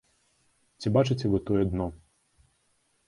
Ці бачыце вы тое дно?